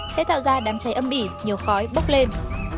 sẽ tạo ra đám cháy âm ỉ nhiều khói bốc lên